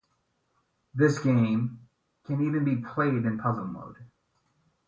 This game can even be played in puzzle mode.